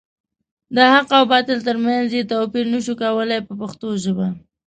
د حق او باطل تر منځ یې توپیر نشو کولای په پښتو ژبه.